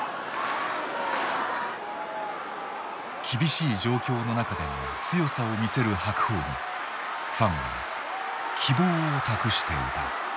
厳しい状況の中でも強さを見せる白鵬にファンは希望を託していた。